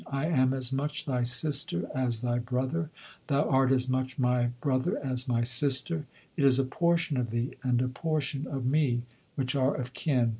I am as much thy sister as thy brother; thou art as much my brother as my sister. It is a portion of thee and a portion of me which are of kin.